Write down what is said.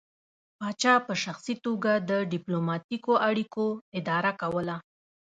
پاچا په شخصي توګه د ډیپلوماتیکو اړیکو اداره کوله